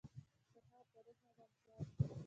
سهار د روح ارامتیا ده.